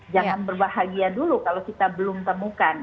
jangan berbahagia dulu kalau kita belum temukan